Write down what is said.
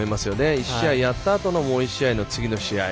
１試合やったあとのもう１試合の次の試合。